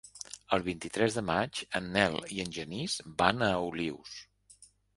El vint-i-tres de maig en Nel i en Genís van a Olius.